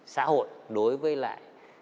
xã hội đối với lại